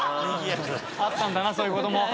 あったんだなそういうことも。